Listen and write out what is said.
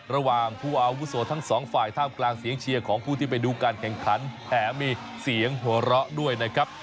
ระหว่างผู้อาวุโสทั้งสองฝ่ายท่ามกลางเสียงเชียร์ของผู้ที่ไปดูการแข่งขันแถมมีเสียงหัวเราะด้วยนะครับ